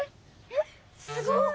えっすごい！